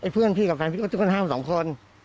เพื่อนพี่กับแฟนพี่ก็ทุกคนห้ามสองคน